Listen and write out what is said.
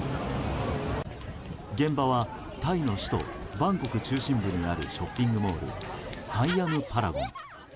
現場はタイの首都バンコク中心部にあるショッピングモールサイアム・パラゴン。